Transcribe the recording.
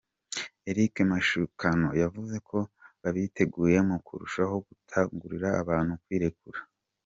Eric Mashukano yavuze ko babiteguye mu kurushaho gukangurira abantu kwirekura.